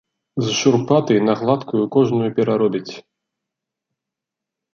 З шурпатай на гладкую кожную пераробіць.